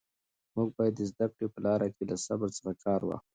موږ باید د زده کړې په لاره کې له صبر څخه کار واخلو.